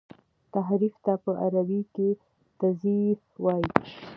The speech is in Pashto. تحريف ته په عربي کي تزييف وايي.